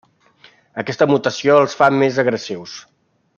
Aquesta mutació els fa més agressius.